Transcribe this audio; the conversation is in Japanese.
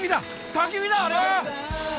たき火だあれ！